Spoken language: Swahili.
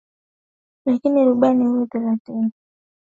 Lakini rubani huyo thelathini na sita sio tu